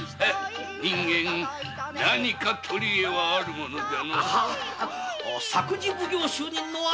人間何か取り柄はあるものじゃのう。